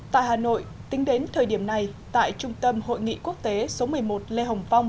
tại hà nội tính đến thời điểm này tại trung tâm hội nghị quốc tế số một mươi một lê hồng phong